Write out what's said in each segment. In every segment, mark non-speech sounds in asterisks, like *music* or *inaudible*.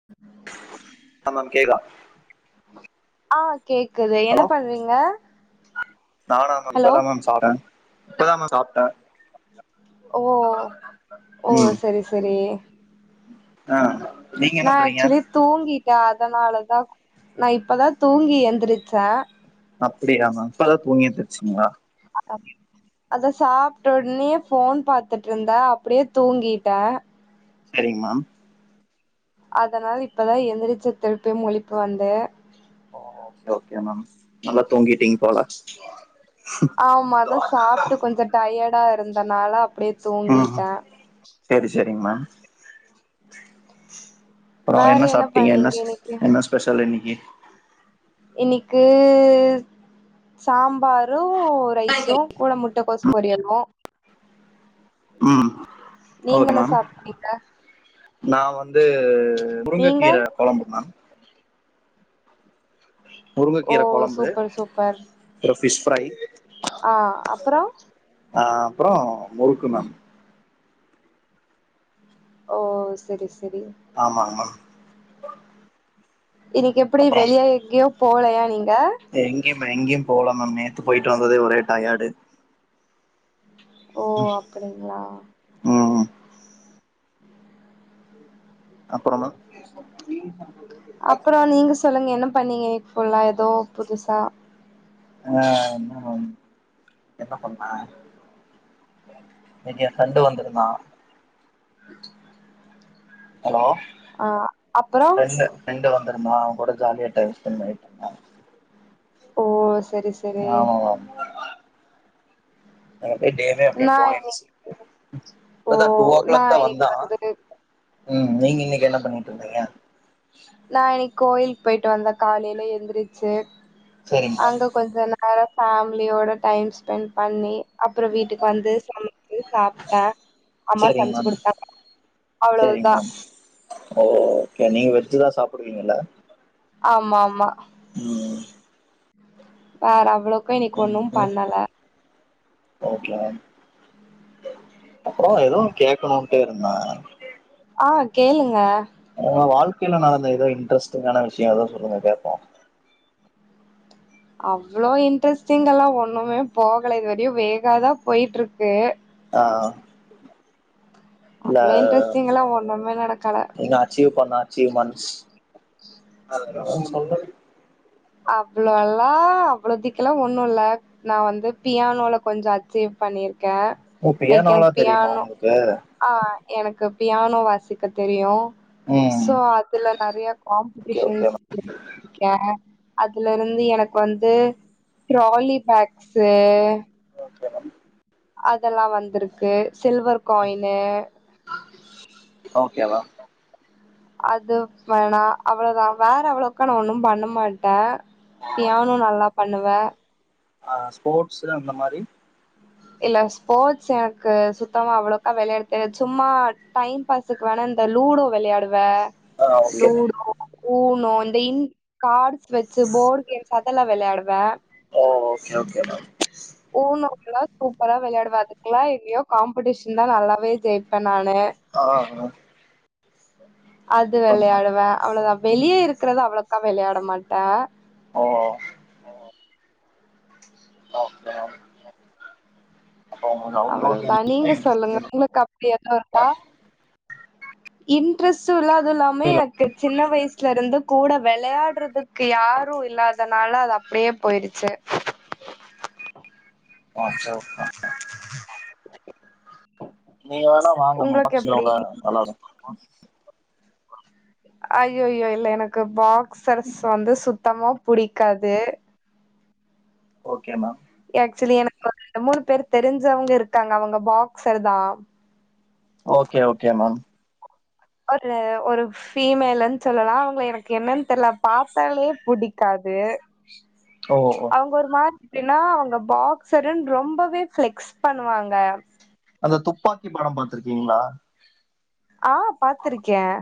*inaudible* hello கேக்குதா ஆ கேக்குது என்ன ஹலோ பண்றீங்க நானா மேம் ஹலோ இப்பதா மேம் சாப்ட்டே இப்பதா மேம் சாப்ட்டே ஓ ஓ ம் செரி செரி ஆ நீங்க என்ன நா பண்றீங்க ஆக்சுவலி தூங்கிட்டே அதனாலதா நா இப்பதா தூங்கி எந்திரிச்சே அப்புடியா மேம் இப்பதா தூங்கி எந்திரிச்சிங்ளா *inaudible* அதா சாப்ட்ட ஒன்னியே ஃபோன் பாத்துட்டு இருந்தே அப்படியே தூங்கிட்டே செரிங்மா அதனால இப்பதா எந்திரிச்சு திர்டு முழிப்பு வந்து ஓ ஓகே ஓகே மேம் நல்லா தூங்கிட்டீங்க போல ஆமா அதா சாப்ட்டு கொஞ்ச டயடா இருந்தனால அப்டியே தூங்கிட்ட செரி செரிங்மே அப்புறோ வேற என்ன சாப்ட்டீங்க பண்ணீங்க என்னஸ் இன்னைக்கு என்ன ஸ்பெஷல் இன்னைக்கி இன்னிக்கு சாம்பாரு ரைஸு கூட முட்ட கொஸ் பொரியலு ம் நீங்க ஓகே என்ன மேம் சாப்ட்டீங்க நா வந்து நீங்க முருங்கக்கீர கொழம்பு மேம் ஓ முருங்கக்கீர கொழம்பு சூப்பர் சூப்பர் ஒரு பிஷ் ஃப்ரை ஆ அப்புறோ அ அப்புறோ முருக்கு மேம் ஓ செரி செரி ஆமா ஆமா இன்னைக்கி எப்புடி வெளிய எங்கயோ போகலயா நீங்க எங்யுமே எங்கயு போலா மேம் நேத்து போயிட்டு வந்ததே ஒரே டயடு ஓ அப்படிங்களா ம் அப்பற மேம் அப்புறோ நீங்க சொல்லுங்க என்ன பண்ணீங்க எக்ஃபுல்லா ஏதோ புதுசா ஆ என்ன என்ன பண்ண இனிகி எ ஃப்ரண்டு வந்துருந்தா ஹலோ அ அப்புறோ ப்ரெண்டு வந்துருந்தா அவ கூட ஜாலிய டைம் ஸ்பெண்ட் பண்ணிட்டு இருந்த ஓ செரி செ ஆமாமேம் டேமே டேவே அப்டியே நா போயிருச்சு இன்னைக்கு இப்போதா டூ ஓ நா க்ளாக் தா இன்னைக்கு வந்தா வந்து ம் நீங்க இன்னைக்கி என்ன பண்ணிட்ருந்தீங்க நா இன்னைக்கி கோயில்க் போய்ட்டு வந்த காலையிலே எந்திரிச்சு சரிங்க மேம் அங்க கொஞ்ச ந அபறோ ஃபேமிலியோட டைம் ஸ்பெண்ட் பண்ணி அப்புறோ வீட்டுக்கு வந்து சமச்சு சாப்ட்ட அம்மா சரிங்க சமச்சு மேம் கொடுத்தாங்க அவ்ளவுதா ஓஓகே நீங்க வெச்சுதா சாப்டுவீங்கல்ல ஆமா ஆமா ஆ வேற அவ்ளக்கு இன்னைக்கி ஒண்ணும் பண்ணல ஓகேமேம் அப்றோ எதோ கேக்கணுன்ட்டே இருந்த ஆ கேளுங்க ஒங்க வாழ்க்கையில நடந்த ஏதோ இன்டரஸ்டிங்கான விஷ்யோ ஏதா சொல்லுங்க கேப்போ அவ்வளோ இன்ட்ரெஸ்டிங் எல்லா ஒண்ணுமே போகல இதுவரையு வேகாதா போய்ட்ருக்கு ஆ ஆ இல்ல அவ்ளோ இன்ட்ரெஸ்டிங்கல்லா ஒண்ணுமே நடக்கல நீங்க அச்சீவ் பண்ணான் *inaudible* அவ்ளோல்லா அவ்வளோ திக்கலா ஒன்னு இல்ல நா வந்து பியானோல கொஞ்சோ அச்சீவ் பண்ணியிருக்கே ஓ பியானோல தெரியுமா உங்களுக்கு ஆ எனக்கு பியானோ வாசிக்க தெரியு ம் ஸோ அதுல நெறைய ஓகே ஓகே காம்படிஷன்ஸ் இரு இருக்கே அதுல இருந்து எனக்கு வந்து டராலி பேக்ஸ்சு மேம் அதெல்லா வந்திருக்கு சில்வர் காயினு ஓகே வா அது வேணாம் அவ்ளதா வேற அவ்வளவுக்கா நா ஒன்னு பண்ண மாட்டே தியானம் நல்லா பண்ணுவே ஆ ஸ்போட்ஸ் அந்த மாறி இல்ல ஸ்போட்ஸ் எனக்கு சுத்தமா அவ்வளோக்கா விளையாட தெரியாது சும்மா டைம் பாஸ் க்கு வேணா இந்த லூடோ விளையாடுவே ஆ okay ma'am ludo you know இந்த இ கார்ட்ஸ் வச்சு போர்டு கேம்ஸ் அதெல்லா விளையாடுவே ஓ ஓகே ஓகே ம் ம் யு னோ ல்லா சூப்பரா விளையாடுவே அதுக்குல்லாம் எங்கையோ காம்படிஷன் தான் நல்லாவே ஜெயிப்பேன் நானு ஆஹ் அது மேம் விளையாடுவேன் அவ்ளேதான் ம் வெளியே இருக்கறத அவ்ளோக்கா விளையாட மாட்டேன் ஓ ஓகே அப்போ உங்களுக்கு அவுட்டோர் அவ்வளவுதான் கேம்ஸ்ல நீங்க இன்ட்ரெஸ்ட் சொல்லுங்க உங்க ஏதும் இருக்கா இன்ட்ரஸ்ட் இல்லது இல்லாமே வேணும் எனக்கு சின்ன வயசுலருந்து கூட விளையாடுறதுக்கு யாரும் இல்லாதனால அது அப்படியே போயிருச்சு *inaudible* *inaudible* நீ வேணா வா நம்ம உங்களுக்கு பாக்சர் எப்டி விளையாடுவோம் அய்யோ ய்யோ இல்ல எனக்கு பாக்சர்ஸ் வந்து சுத்தமா புடிக்காது ஓகே மேம் ஆக்சுவலி எனக்கு ஒரு ரெண்டு மூணு பேர் தெரிஞ்சவங்க இருக்காங்க அவங்க பாக்சர் தான் ஓகே ஓகே மேம் ஒரு ஒரு ஃபிமேல்ன்னு சொல்லலாம் அவங்கல எனக்கு என்னனு தெரில பாத்தாலே பிடிக்காது ஓ ஓ அவங்க ஒரு மாரி எப்பினா அவங்க பாக்சருன்னு ரொம்பவே ஃப்ளெக்ஸ் பண்ணுவாங்க அந்த துப்பாக்கி படம் பாத்துருக்கீங்களா ஆஹ் பாத்திருக்கேன்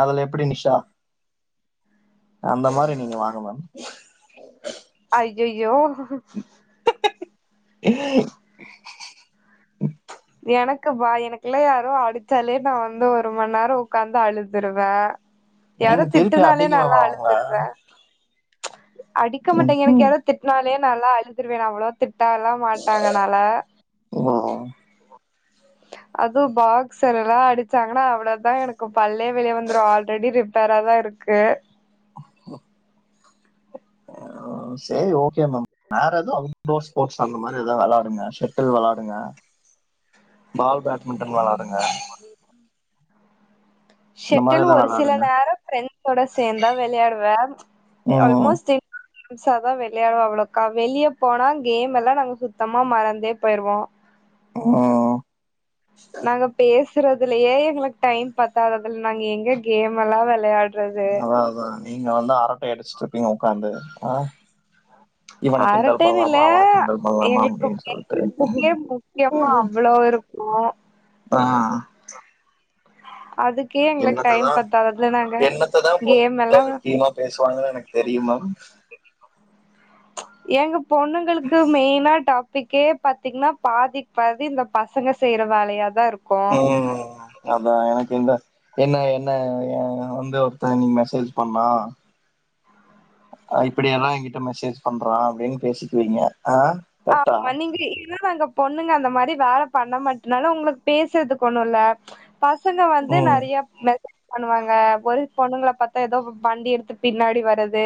அதுல எப்பிடி நிஷா அந்த மாறி நீங்க வாங்க மேம் அய்யோய்யோ *inaudible* எனக்கு பா எனக்குலாம் யாரோ அடிச்சாலே நான் வந்து ஒரு மணி நேரம் உட்காந்து அழுதுருவேன் நீங்க யாரோ திருப்பி திட்டுனாலே அடிங்க நான் மேம் லா அவங்கள அழுதுருவேன் அடிக்க மாட்டேங்க எனக்கு யாராத் திட்னாலேயே நாலா அழுதுருவே அவ்ளோ திட்டால்லா மாட்டாங்கனால ஆ அது பாக்ஸ்ர்யெல்லா அடிச்சாங்கன்னா அவ்ளோதா எனக்கு பள்ளே வெளிய வந்துரு ஆல்ரடி ரிப் பேராதா இருக்கு ஆ ஆ சேரி ஓகே மேம் வேற எது அவுட்டோர் ஸ்போர்ட்ஸ் அந்த மாரி ஏதாவது விளையாடுங்க செட்டில் விளையாடுங்க பால் பேட்மிட்டன் வெளாடுங்க இந்த மாரி ஷெட்டில் எதா ஒரு சில விளாடுங்க நேரோ ஃப்ரெண்ஸ்சோட சேந்தா வெளயாடுவ ம் ஆல்மோஸ்ட் தி புதுசா தா வெளயாடுவோ அவ்ளேக்கா வெளிய போனா கேம் எல்லா நாங்க சுத்தமா மறந்தே போயிருவோ ம் நாங்க பேசுறதுலயே எங்களுக்கு டைம் பத்தாது அதுல நாங்க எங்க கேம் எல்லா வெளையாடு அதா அதா நீங்க வந்து அரட்டை அடிச்சிட்டு இருப்பீங்க ஒக்காந்து ஆ இவன கிண்டல் அரட்டைன்னு இல்ல பண்ணலாமா அவன கிண்டல் பண்ணலாமா எங்களுக்கு அப்டின்னு சொல்லிட்டு பேசறதுக்கே முக்கியமா அவ்வளோ இரு க்கு ஆ அதுக்கே எங்களுக்கு டைம் என்னத்ததா பத்தாது அதுல நாங்க என்னத்ததா கேம் பொண்ணு எல்லா முக்கியமா பேசுவாங்கன்னு எனக்கு தெரியு மேம் ஏங்க பொண்ணுங்களுக்கு மெயினா டாப் பிக்கே பாத்தீங்கன்னா பாதி பாதி இந்த பசங்க செய்யற வேலையாதா இருக் ம் அதா எனக்கு இந்த என்ன என்ன எ வந்து தா இன்னிக் மெசேஜ் பண்ணா அ இப்படியெல்லா என்கிட்ட மெசேஜ் பண்றா அப்டின்னு பேசிக்குவீங்க ஆ கரெக்டா ஆமா நீங்க ஏனா நாங்க பொண்ணுங்க அந்த மாரி வேல பண்ண மாட்டனால உங்களுக்கு பேசுறதுக் ஒண்ணு இல்ல பசங்க வந்து ம் நறையா மெசஜ் பண்ணுவாங்க ஒரு பொண்ணுங்கள பாத்தா ஏதோ வண்டி எடுத்து பின்னாடி வரது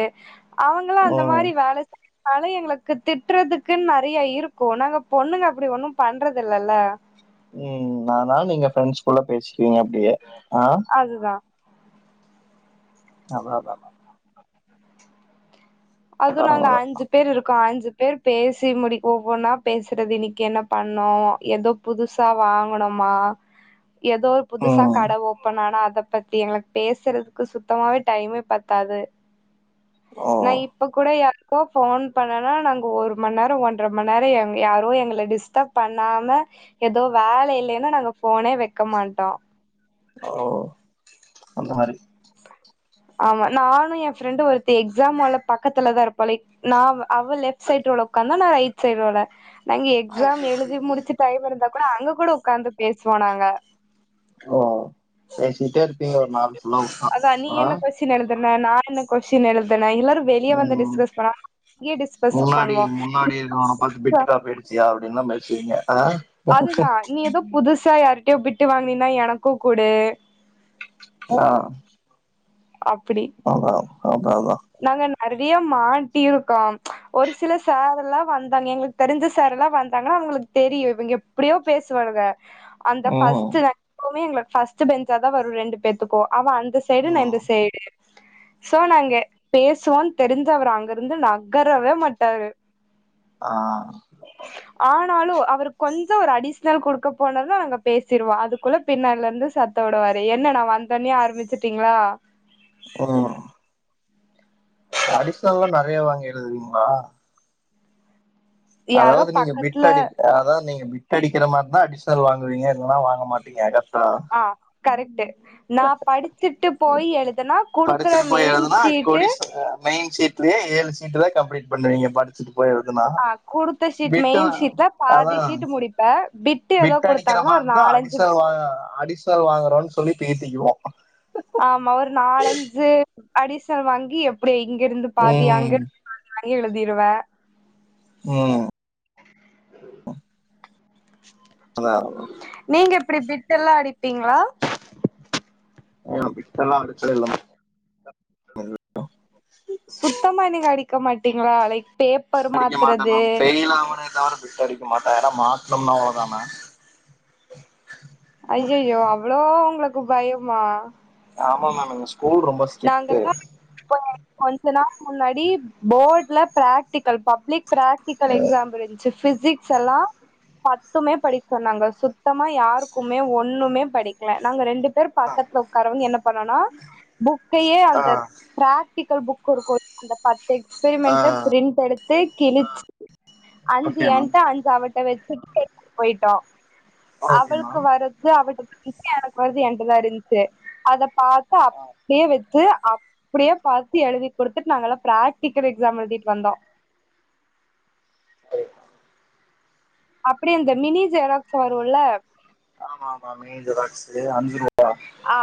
அவங்களும் அந்த ம் மாரி வேல செய்றதுனால எங்களுக்கு திட்றதுக் குன்னு நறைய இருக்கு‌ நாங்க பொண்ணுங்க அப்படி ஒண்ணு பண்றது இல்லல ம் அதனால நீங்க ஃப்ரெண்ட்ஸ்குள்ள பேசிக்கிவீங்க அப்டியே ஆ அதுதா அதா அதா அதா அது நாங்க பரவாயில்ல அஞ்சு பேர் இருக்கோ அஞ்சு பேர் பேசி முடி ஒவ்வொன்னா பேசுறது இன்னைக்கு என்ன பண்ணோ எதோ புதுசா வாங்கணுமா ஏதோ ஒரு புதுசா ம் கட ஓப் பன் ஆனா அத பத்தி எங்களுக்கு பேசுறதுக்கு சுத்தமாவே டைமே பத்தாது ஓ நா இப் ப்ப கூட யாருக்கோ ஃபோன் பண்னனா நாங்க ஒரு மண் நேரோ ஒன்ற மண் நேரோ எங் யாரோ எங்கள டிஸ்டப் பண்ணாம எது வேல இல்லலைன்னா நாங்க ஃபோனே வெக்க மாட்டோ ஓ அந்த மாரி ஆமா நானு எ ஃப்ரெண்டு ஒருத்தி எக்ஸாம் ஹால்ல பக்கத்துலதா இருப்போ லைக் நா அவ லெஃப்ட் சைட் ரோல ஒக்காந்தா நா ரைட் சைட் ரோல நாங்க எக்ஸாம் எழுதி முடிச்சு டைம் இருந்தா கூட அங்க கூட உட்காந்து பேசுவோ நாங்க ஓ பேசிட்டே இருப்பீங்க ஒரு நாலு புல்லா உட்டா ஆ ஷின் எழுதுன நா என்ன கொஷின் எழுதுன எல்லாரு வெளிய வந்து ம் டிஸ்கஸ் பண்ண இங்கையே டிஸ்கஸ் பண்ணுவோ அவனா பாத் பிட் டுக்காபி அடிச்சியா அப்டின்ல்லா பேசுவீங்க ஆ அதுதா இனி ஏதோ புதுசா யார்டியோ பிட்டு வாங்கினீன்னா எனக்கு குடு ஆ அப்டி அதா அதான் அதா நாங்க நெறைய மாட்டிருக்கோ ஒரு சில சார் எல்லா வந்தாங்க எங்களுக் தெரிஞ்ச சார் எல்லா வந்தாங்கன்னா அவங்களுக்கு தெரியும் இவங்க எப்படியோ பேசுவாலுங்க அந்த ம் பஸ்டு எப்பவுமே பஸ்டு பெஞ்சாதா வரு ரெண்டு பேத்துக்கு அவ அந்த சைடு ந இந்த ம் சைடு சோ நாங்க பேசுவோன்னு தெரிஞ்சு அவரு அங்கருந்து நகரவே மாட்டாரு ஆ ஆனாலு அவரு கொஞ்சோ ஒரு அடிஷ்னல் குடுக்க போனது நாங்க பேசிருவா அது குள்ள பின்னால இருந்து சத்த விடவாரு என்ன நான் வந்த தனியா ஆரம்பிச்ட்டீங்களா ம் அடிஷனல்லா நெறைய வாங்கி எழுதுங்களா யாரோ அதாவது நீங்க பக்கத்துல பிட்டடி ஆ அதா நீங்க டடிக்கிற மாறின அடிஷனல் வாங்குவீங்க இல்லனா வாங்க மாட்டீங்க ஆ கரெக்ட்டு நா படிச்சுட்டு போய் எழுதுனா குடு படிச்சிட்டு போய் எழுதுனா கோடீஸ்வர மெயின் சீட்லயே ஏழு சீட் தா கம்ப்ளீட் பண்ணுவீங்க படிச்சுட்டு போய் எழுதுன ஆ குடுத்த ஷீட் மெயின் ஷீட்ல பாதி ஷீட் முடிப்பே விட்டு ஏதோ குடுத்தாங்கன்னா ஒரு நாலஞ்சு ஆ அடி ஷனல் வாங்குறோம்ன் சொல்லி பேசிக்குவோ ஆமா ஒரு நாலஞ்சு அடிஷன்ல் வாங்கி எப்டி இங்க இருந்து பாதியா ம் அங்கிரு நா நெறைய எழுதிருவ ம் அதா தா நீங்க எப்டி பிட் எல்லா அடிப்பீங்களா ஆ பிட் எல்லா அடிச்சதில்ல மா சுத்தமா நீங்க அடிக்க மாட்டங்களா லைக் பேப்பர் அடிக்க மாட்ட மாத்துறது மேம் பெயில் ஆவனே தவிர பிட் அடிக்க மாட்ட ஏன்னா மாட்னோம்ன அவ்ளோவுதா மேம் ஐயையோ அவ்ளோ உங்களுக்கு பயமா ஆமா மேம் எங்க ஸ்கூல் ரொம்பா ஸ்ட்ரிக்ட்டு நாங்கல்லா இப்ப கொஞ்ச நாள் முன்னாடி போர்ட்ல பிராக்டிக்கல் பப்ளிக் பிராக்டிகல் எக்ஸாம் இருந்துச்சு பிசிக்ஸ் எல்லா பத்துமே படிக்க சொன்னாங்க நாங்க சுத்தமா யாருக்குமே ஒண்ணுமே படிக்கல நாங்க ரெண்டு பேர் பக்கத்துல உட்காரவங்க என்ன பண்ணனா புக்கையே ஆ அந்த பிராக்டிக்கல் புக் இருக்கு அந்த பத்து ஆ எக்ஸ்பரிமெண்ட பிரிண்ட் எடுத் ட்டே கிளிச்சு அ அஞ்சு ஓகே மேம் என்ட்ட அஞ்சு அவட்ட வச்சுட்டு எடுத்துட்டு போயிட்டோ ஓகே அவள்க்கு மேம் வர இதே அவட்ட *unintelligible* எனக்கு வரது என்ட்டதா இருன்ச்சு அத பாத்தா அப் ஆ படியே வச்சு அப்படியே பாத்து எழுதி குடுத்துட்டு நாங்க எல்லா பிராக்டிக்கல் எக்ஸாம் எழுதிட்டு வந்தோ *inaudible* அப்படியே இந்த மினி ஜெராக்ஸ் வருல்ல ஆமா ஆமா மினி ஜெராக்ஸ்சு அஞ்சு ரூவா ஆ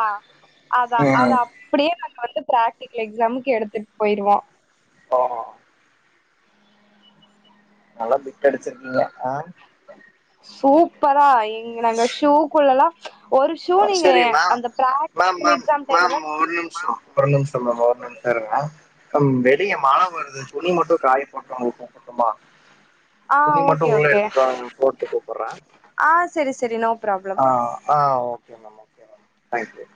அத்தா அத அப்படியே நாங்க வந்து பிராக்டிகல் எக்ஸாம்க்கு எடுத்துட்டு போயிருவோ சோ நல்லா பிட் அடிச்சிருக்கீங்க அ சூப்பரா எங்க நாங்க ஷூக்குள்ளல்லா ஒரு ஷூ நீங்க சரி மேம் அந்த ma'am practical ma'am exam ma'am டைம்ல ஒரு நிமிஷம் ஒரு நிமிஷம் மேம் ஒரு நிமிஷம் இருங்க வெளிய மழை வருது துணி மட்டும் காய போட்டு வன்டோ பக்கமா ஆ துணி ஓகே மட்டும் உள்ள ஓகே எடுத்துட்டு வந்து போட்டு கூப்பட்றே ஆ சேரி சேரி நோ பிராப்ளம் அ ஆ okay ma'am okay ma'am thank you